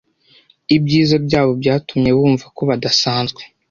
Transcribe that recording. Ibyiza byabo byatumye bumva ko badasanzwe